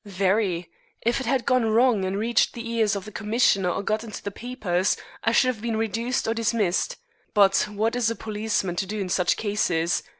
"Very. If it had gone wrong and reached the ears of the Commissioner or got into the papers, I should have been reduced or dismissed. But what is a policeman to do in such cases?